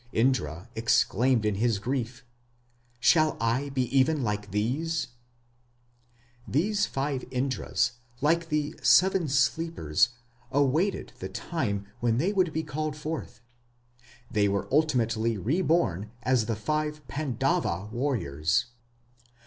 Indra exclaimed in his grief, "Shall I be even like these?" These five Indras, like the "Seven Sleepers", awaited the time when they would be called forth. They were ultimately reborn as the five Pandava warriors.